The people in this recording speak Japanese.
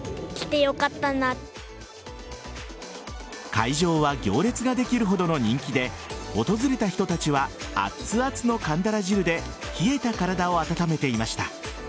会場は行列ができるほどの人気で訪れた人たちは熱々の寒鱈汁で冷えた体を温めていました。